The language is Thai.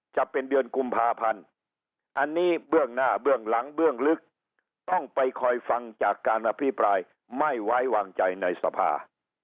จะเป็นเดือนกุมภาพันธ์อันนี้เบื้องหน้าเบื้องหลังเบื้องลึกต้องไปคอยฟังจากการอภิปรายไม่ไว้วางใจในสภา